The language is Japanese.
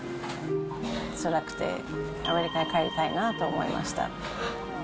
つらくてアメリカに帰りたいなと思いました。